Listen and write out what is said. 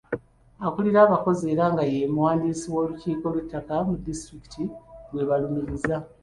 Akulira abakozi era nga ye muwandiisi w’olukiiko lw’ettaka mu disitulikiti gwe balumiriza.